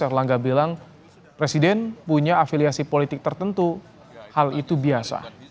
erlangga bilang presiden punya afiliasi politik tertentu hal itu biasa